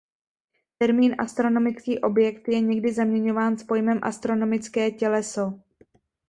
Termín astronomický objekt je někdy zaměňován s pojmem astronomické těleso.